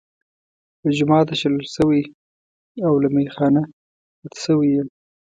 له جوماته شړل شوی او له میخا نه رد شوی یم.